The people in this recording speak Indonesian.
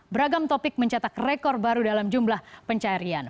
beragam topik mencetak rekor baru dalam jumlah pencaharian